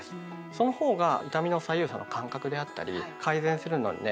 そのほうが痛みの左右差の感覚であったり改善するのにね